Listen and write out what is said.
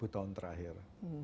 dua ribu tahun terakhir